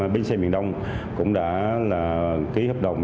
bên xe miền đông cũng đã ký hợp đồng